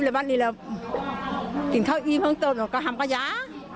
ใบละยางออกไป